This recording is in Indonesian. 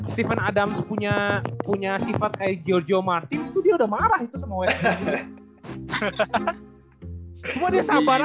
stephen adams punya sifat kaya giorgio martin itu dia udah marah itu semuanya